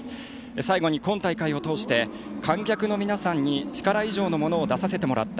最後に今大会を通して観客の皆さんに力以上のものを出させてもらった。